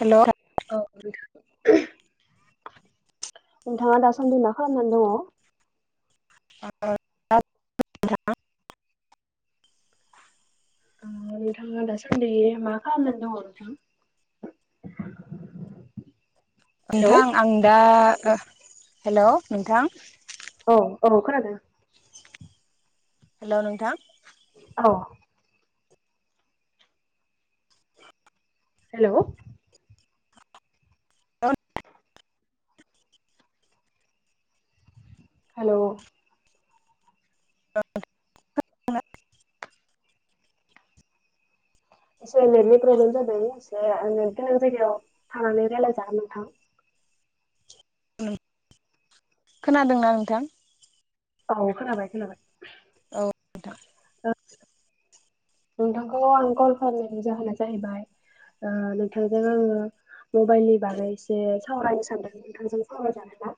Hello. औ। नोंथाङा दासान्दि मा खालामनानै दङ? [unintelligible] नोंथाङा दासादि मा खालामनानै दङ नोंथां? [inaudible] नोंथां आं दा हेल' नोंथां। औ औ खोनादों। हेल' नोंथां। औ। हेलौ। हेलौ। औ खोनादोंना? एसे नेटनि प्रब्लेम जादों एसे गोनां जायगायाव थांनानै राय्लायजागोन नोंथां। खोनादोंना नोंथां? औ खोनाबाय खोनाबाय। औ नोंथां। नोंथांखौ आं कल खालामनायनि जाहोना जाहैबाय आ नोंथांजों आङो मबाइलनि बागै एसे सावरायनो सानदों नोंथांजों सावरायजागोन ना?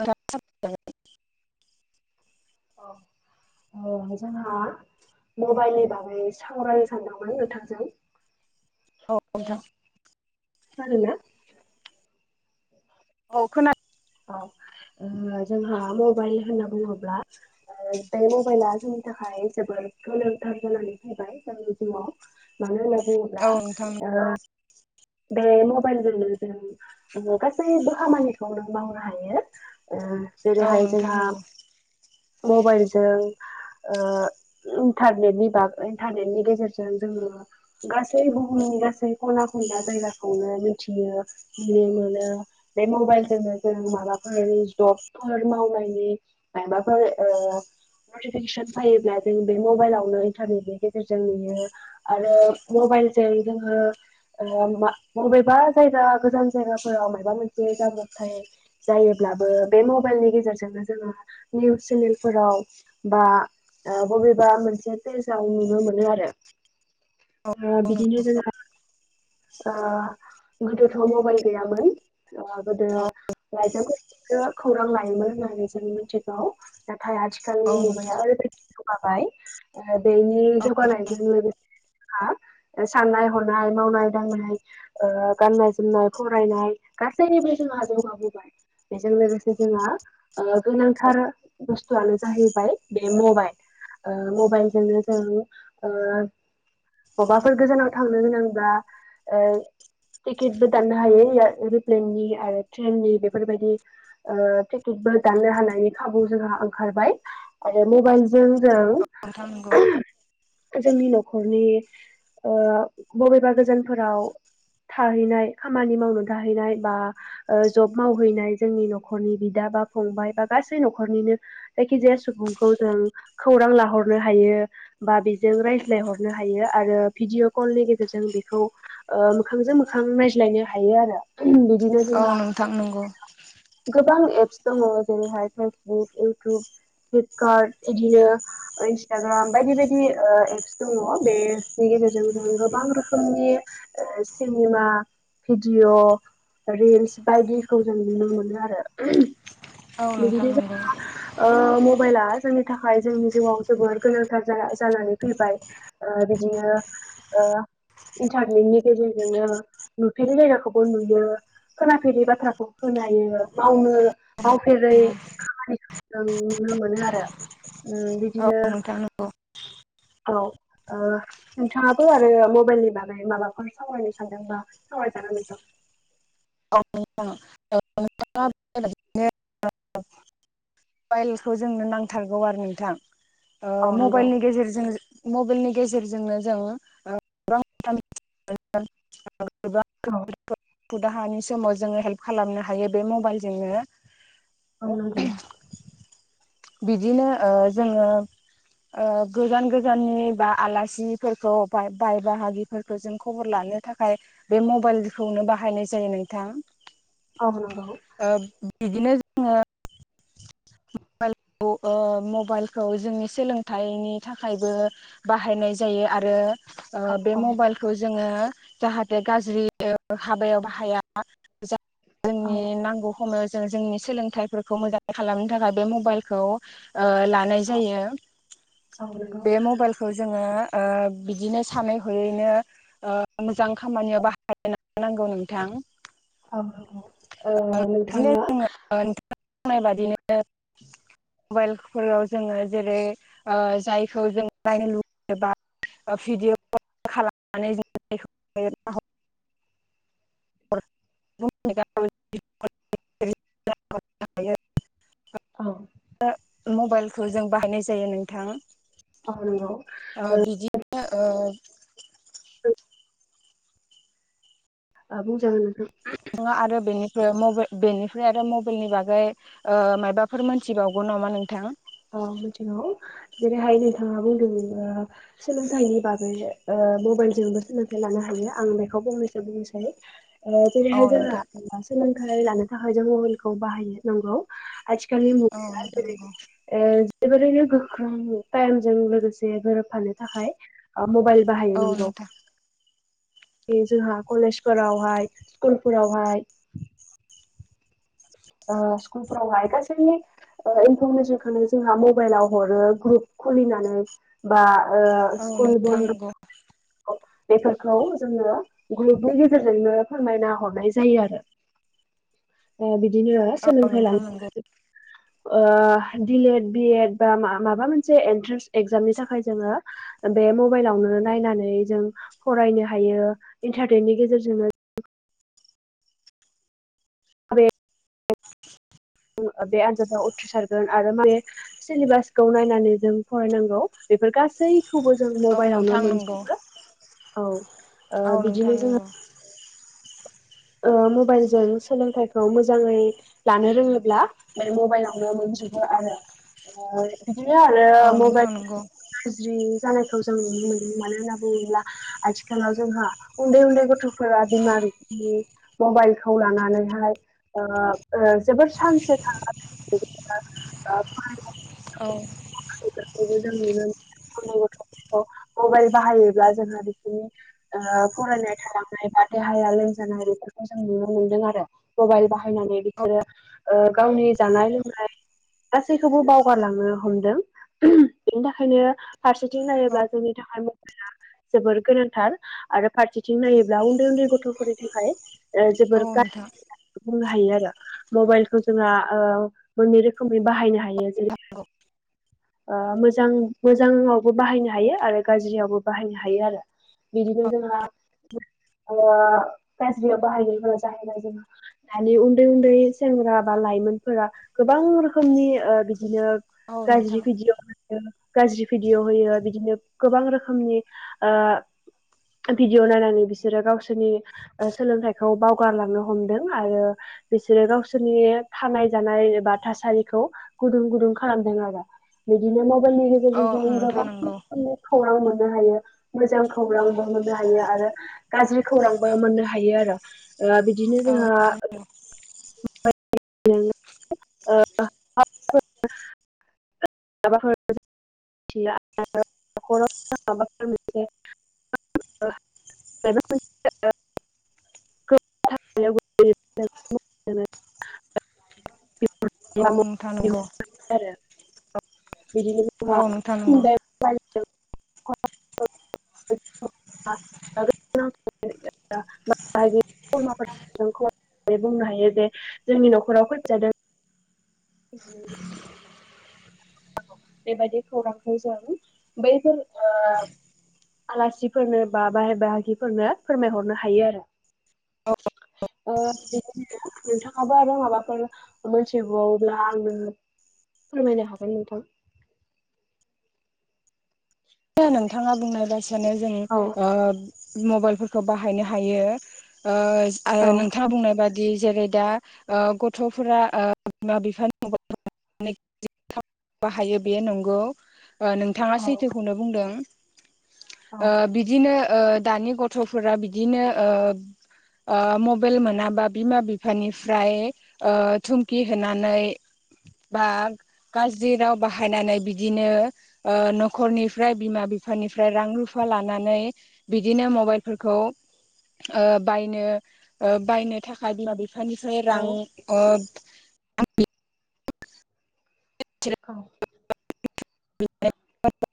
औ सावरायजागोन। औ अ जोंहा मबाइलनि बागै सावरायनो सानदोंमोन नोंथांजों औ नोंथां। खोनादों ना? औ खोनादों। औ ओ जोंहा मबाइल होनना बुङोब्ला ओ बे मबाइला जोंनि थाखाय जोबोद गोनांथार जानानै फैबाय जोंनि जिवाव मानो होनो बुङोब्ला औ नोंथां ओ बे मबाइलजोंनो जों गासैबो खामानिखौनो मावनो हायो ओ औ जेरैहाय नोंथां जोंहा नंगौ मबाइलजों ओ इन्टारनेटनि बागै इन्टारनेटनि गेजेरजों जोङो गासै बुहुम गासै खना खनला जायगाखौनो मिथियो मिनो मोनो बे मबाइलजोंनो जों माबाफोर जबफोर मावनायनि माबाफोर ओ नटिफिकेसन फायोब्ला जों बे मबाइलावनो इन्थारनेटनि गेजेरजों नुयो आरो मबाइ बाइलजों जोङो ओ मा बबेबा जायगाखो गोजान जायगाफोराव मायबा मोनसे जा नुथाय जायोब्लाबो बे मबाइलनि गेजेरजोंनो जोङो निउस चेनेलफोराव बा ओ बबेबा मोनसे पेजाव नुनो मोनो आरो औ ओ बिदिनो जोंङो ओ गोदोथ' मबाइल गैयामोन ओ गोदो औ लाइजामफोरजोंसो खौरां लायोमोन होननानै जों मिथिगौ नाथ थाय आथिखालनि नोंथां मुगाया ओरैबायदि जौगाबाय ओ बेनि औ जौगानायजों लोगोसे हा ओ साननाय हनाय मावनाय दांनाय ओ गाननाय जोमनाय फरायनाय गासैनिबो जोंहा जौगाबोबाय बेजों लोगोसे जोंहा ओ गोनांथार बुस्थुआनो जाहैबाय बे मबाइ ओ मबाइल जोंनो जों ओ बबाफोर गोजानाव थांनो गोनांब्ला ओ टिकेटबो दाननो हायो एयार एर'प्लेननि आरो थ्रेइननि बेफोरबायदि ओ टिकेट बो दाननो हानायनि खाबु जोंहा ओंखारबाय आरो मबाइलजों जों नोंथां नोंगौ। ओ जोंनि न'खरनि ओ बबेबा गोजानफोराव थाहैनाय खामानि मावनो थाहैनाय बा ओ जब मावहैनाय जोंनि न'खरनि बिदा एबा फंबाय बा गासै न'खरनिनो जायखिजाया सुबुंखौ जों खौरां लाहरनो हायो। बा बेजों रायज्लायहरनो हायो आरो भिडिअ' कलनि गेजेरजों बेख खौ ओ मोखांजों मोखां नायज्लायनो हायो आरो उमहो बिद औ नोंथां नंगौ। गोबां एप्स दङ जेरैहाय फेसबुक, इउटुब फ्लिपकार्ट इदिनो ओ इन्स्टाग्राम बायदि बायदि ओ एप्स दङ बे सि गेजेरजों जों गोबां रोखोमनि ओ सिनेमा भिडिअ' रिल्स बायदिखौ जों नुनो मोनो आरो औ नोंथां बिदिनो नंगौ जोङो ओ मबाइलआ ज जोंनि थाखाय जोंनि जिउआव जोबोर गोनांथार जाना जानानै फैबाय ओ बिदिनो ओ इन्थारनेटनि गेजेरजोंनो नुफेरै जायगाखौबो नुयो खोनाफेरि बाथ्राखौ खोना नो हायो मावनो मावफेरै खामानिखो जों नुनो मोनो आरो उम बिद औ नोंथां नंगौ। औ ओ नोंथाङाबो आरो मबाइलनि बागै माबाफोर सावरायनो सानदोंबा सावरायजागोन नोंथां औ [unintelligible] ने ओ ओ औ मबाइलखौ जोंनो नांथारगौ आरो नोंथां। ओ औ नंगौ मबाइलनि गेजेरजों जो मबाइलनि गेजेरजोंनो जों ओ [unintelligible] औ राहानि समाव जोङो हेल्प खालामनो हायो बे मबाइल जोंनो औ नंगौ। बिदिनो ओ जोङो ओ गोजान गोजाननि बा आलासिफोरखौ बाय बाय बाहागिफोरखौ जों खबर लान नो थाखाय बे मबाइलखौनो बाहायनाय जायो नोंथां। औ नंगौ। ओ बिदिनो जोङो मबेल औ ओ मबाइलखौ जोंनि सोलोंथाइनि थाखायबो बाहायनाय जायो आरो ओ औ बे औ मबाइलखौ जोङो जाहाथे गाज्रि हाबायाव बाहाया औ जोंनि नांगौ समाव जों जोंनि सोलोंथाइफोरखौ मोजाङै खालामनो थाखाय बे मबाइलखौ ओ लानाय जायो औ नंगौ बे मबाइलखौ जोङो ओ बिदिनो सानै हयैनो ओ मोजां खामानियाव बाहाय नांगौ नोंथां औ ओ नोंथाङा नाय बादिनो मबाइलफोराव जोङो जेरै ओ जायखौ जों नायनो लुबैयोबा भिडिअ खालामनानै [unintelligible] [unintelligible] औ मबाइलखौ जों बाहायनाय जायो नोंथां [unintelligible] औ नंगौ ओ बिदिनो ओ ओ बुंजागोन [unintelligible] माबा बेनिफ्राय आरो मबाइलनि बागै ओ मायाबाफोर मोनथिबावगौ नामा नोंथां औ मिथिगौ जेरैहाय नोंथाङा बुंदों सोलोंथाइनि बागै ओ मबाइल जोंबो सोलोंथाइ लानो हायो आं बेखौ बुंनोसै बिनिसायाव ओ औ जेरैहाय नोंथां जोंहा सोलोंथायाइ लानो थाखाय जों मबाइलखौ बाहायनो नांगौ आथिखालनि औ मुगायाव नोंथां जेरै नंगौ जोबोरैनो गोख्रों टाइमजों लोगोसे गोरोबफानो थाखाय मबाइल बाहायो औ नोंगौ नोंथां बे जोंहा कलेजफोरावहाय स्कुलफोरावहाय [unintelligible] ओ सकुल फोराव हाय गासै इनफरमेसनखौनो जोंहा मबाइलाव हरो ग्रुप खुलिनानै बा [unintelligible] ओ औ स्कुल नोंथां बन्द नंगौ बेफोरखौ जोङो ग्रुपनि गेजेरजोंनो फोरमायना हरनाय जायो आरो ओ बिदिनो औ सोलोंथाइ नोंथां नंगौ लानो ओ डिलेट बि एड बा माबा मोनसे एन्ट्रेन्स एक्जामनि थाखाय जोङो बे मबाइलावनो नायनानै जों फरायनो हायो इन्टारनेटनि गेजेरजोंनो [inaudible] बे आनजादाव उथ्रिसारगोन आरो माने बे सिलेबासखौ नायनानै जों फरायनांगौ बेफोर गासैखौबो जों औ मबाइलावनो नोंथां नंगौ मोनजोबो औ ओ औ नोंथां बिदिनो जों नंगौ ओ मबाइलजों सोलोंथाइखौ मोजाङै लानो रोङोब्ला बे मबाइलावनो मोन जोबो आरो बिदिनो आरो औ नोंथां नंगौ मबाइल गाज्रि जानायखौ जों नुनो मोन्दों मानो होनना बुङोब्ला आथिखालाव जोंहा उन्दै उन्दै गथ' फोरा बिमा बि मबाइलखौ लानानैहाय ओ ओ जोबोर [unintelligible] सान्ससो [unintelligible] औ [unintelligible] जों नुनो मोनो उन्दै गथ'फोरखौ मबाइल बाहायोब्ला जोंहा बिसोरनि ओ फरायनाय थालांनाय बा देहाया लोमजानाय बेफोर जों नुनो मोनदों आरो मबाइल बाहायनानै बिसोरो ओ गावनि जानाय लोंनाय गासैखौबो बावगारलांनो हमदों बिनि थाखायनो फारसेथिं नायोब्ला जोंनि थाखाय मबाइला जोबोर गोनांथार आरो फारसेथिं नायोब्ला उन्दै उन्दै गथ'फोरनि थाखाय ओ औ जोबोर औ नोंथां गाज्रि बुंनो हायो आरो मबाइलखौ जोंहा ओ मोननै रोखोमनि बाहायनो हा हायो जेरै ओ मोजां मोजाङावबो बाहायनो हायो आरो गाज्रियावबो बाहायनो हायो आरो बिदिनो जोंहा ओ गाज्रियाव बाहायनाय जाहैबाय जोङो दानि उन्दै उन्दै सेंग्रा बा ला लाइमोन फोरा गोबां रोखनि बिदिनो औ गाज्रि नोंथां भिदिअ गाज्रि भिडिअ' होयो बिदिनो गोबां रोखोमनि ओ भिडिअ' नायनानै बिसोरो गावसोरनि ओ सोलोंथाइखौ बावगारलांनो हमदों आरो बिसोरो गावसोरनि थानाय जानाय बा थासारिखौ गुदुं गुदुं खालामदों आरो बिदिनो मबाइलनि औ गेजेरजों जों गोबां नोंथां नंगौ रोखोमनि खौरां मोनो मोननो हायो मोजां खौरांबो मोननो हायो आरो गाज्रि खौरांबो मोननो हायो आरो ओ बिदिनो औ जोंहा नोंथां ओ [unintelligible] ओ [unintelligible] [unintelligible] [unintelligible] [unintelligible] [unintelligible] औ नोंथाङां नंगौ आरो बिदिनो औ जोंहा नोंथा नंगौ बे [unintelligible] [unintelligible] बुंनो हायो बेे जोंनि न'खराव खैफोद जादों नानै बे बायदि खौरांखौ जों बैफोर ओ आलासिफोरनो बा बाय बाहागिफोरनो फोरमाय हरनो हायो आरो औ ओ बिनि नोंथाङाबो आरो माबाफोर मोनथि बावोब्ला आङो फोरमायनो हागोन नोंथां नोंथाङा बुंनाय बायसानो जों औ ओ मबाइलफोरखौ बाहायनो हायो औ नोंथाङा बुंनाय बादि दि जेरै दा गथ'फोरा बिमा बिफानिं बाहायो बेयो नंगौ नोंथाङा औ सैथो ओ बिदिनो दानि गथ'फोरा बिदिनो ओ मबाइल मोनाबा बिमा बिफानिफ्राय ओ थुमखि होनानै बा गाज्रि राव बाहायनानै बिदिनो ओ नख नखरनिफ्राय बिमा बिफानिफ्राय रां रुफा लानानै बिदिनो मबाइलफोरखौ बायनो बायनो थाखाय बिमा बिफा बिफानिफ्राय औ रां [unintelligible] बिसोर औ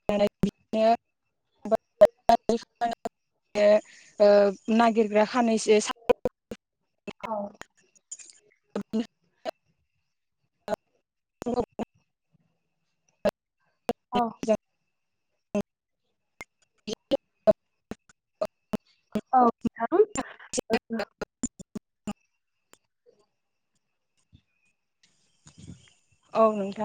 [unintelligible] [unintelligible] नागिरग्रा खानैसो आरो [unintelligible] औ औ [unintelligible] औ औ नोंथां